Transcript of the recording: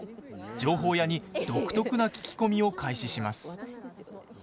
情報屋に独特な聞き込みを開始します。